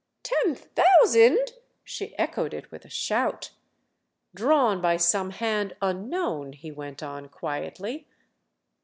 "Ten thousand?"—she echoed it with a shout. "Drawn by some hand unknown," he went on quietly.